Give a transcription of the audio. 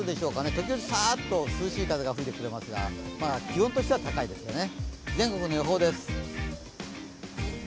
時々さっと涼しい風が吹いてくれますが、気温としては高いですよね。